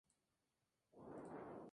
La mujer no tiene derecho a herencia.